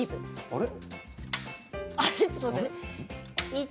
あれ？